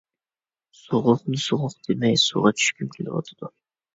سوغۇقنى سوغۇق دېمەي سۇغا چۈشكۈم كېلىۋاتىدۇ.